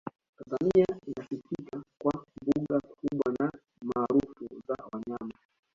tanzania inasifika kwa mbuga kubwa na maarufu za wanyama